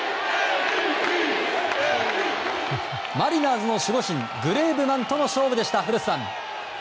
マリナーズの守護神グレーブマンとの勝負でした。